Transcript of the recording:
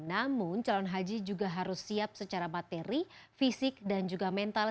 namun calon haji juga harus siap secara materi fisik dan juga mental